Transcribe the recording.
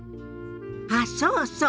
あっそうそう。